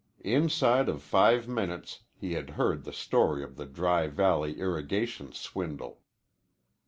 Inside of five minutes he had heard the story of the Dry Valley irrigation swindle.